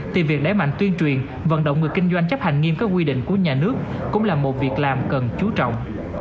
thì việc đẩy mạnh tuyên truyền vận động người kinh doanh chấp hành nghiêm các quy định của nhà nước cũng là một việc làm cần chú trọng